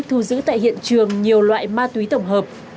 thu giữ tại hiện trường nhiều loại ma túy tổng hợp